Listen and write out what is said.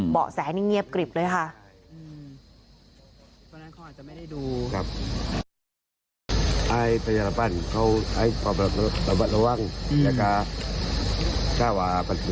เบาะแสนี่เงียบกริบเลยค่ะ